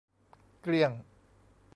เกลี้ยง